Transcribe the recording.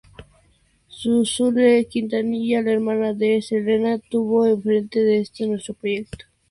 Suzette Quintanilla, la hermana de Selena, estuvo en frente de este nuevo proyecto.